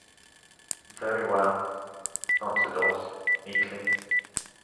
"Very well," answered Oz, meekly.